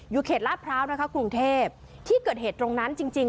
อยู่เขตรดพร้าวนะคะกรุงเทพที่เกิดเหตุตรงนั้นจริง